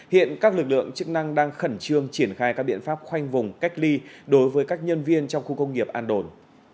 hiện các lực lượng chức năng đang khẩn trương triển khai các biện pháp khoanh vùng cách ly đối với các nhân viên trong khu công nghiệp an đồn